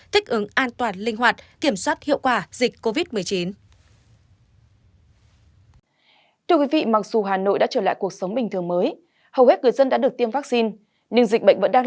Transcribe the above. thích ứng an toàn linh hoạt kiểm soát hiệu quả dịch covid một mươi chín